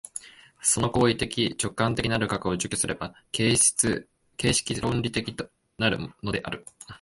その行為的直観的なる核を除去すれば形式論理的となるのである。